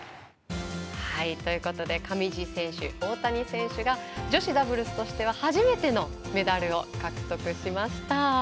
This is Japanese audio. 上地選手、大谷選手が女子ダブルスとしては初めてのメダルを獲得しました。